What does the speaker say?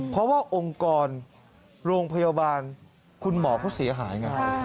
เพราะว่าองค์กรโรงพยาบาลคุณหมอเขาเสียหายไง